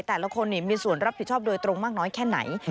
แต่ละคนมีส่วนรับผิดชอบโดยตรงมากน้อยแค่ไหน